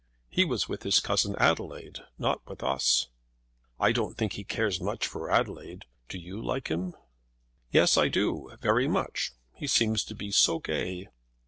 "He was with his cousin Adelaide, not with us." "I don't think he cares much for Adelaide. Do you like him?" "Yes, I do; very much. He seems to be so gay."